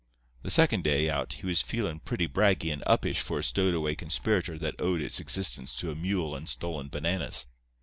"The second day out he was feelin' pretty braggy and uppish for a stowed away conspirator that owed his existence to a mule and stolen bananas.